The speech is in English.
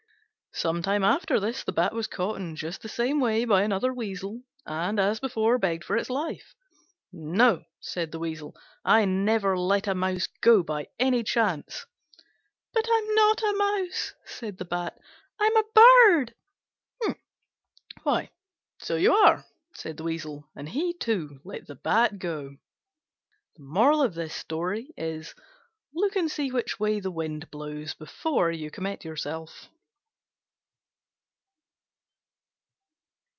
Some time after this the Bat was caught in just the same way by another Weasel, and, as before, begged for its life. "No," said the Weasel, "I never let a mouse go by any chance." "But I'm not a mouse," said the Bat; "I'm a bird." "Why, so you are," said the Weasel; and he too let the Bat go. Look and see which way the wind blows before you commit yourself.